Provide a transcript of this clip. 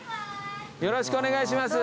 よろしくお願いします。